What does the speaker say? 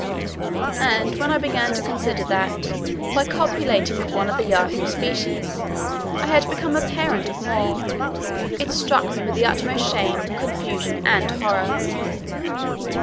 And when I began to consider that, by copulating with one of the Yahoo species I had become a parent of more, it struck me with the utmost shame, confusion, and horror.